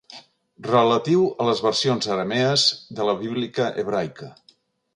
Relatiu a les versions aramees de la Bíblica hebraica.